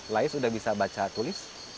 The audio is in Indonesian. laya sudah bisa baca tulis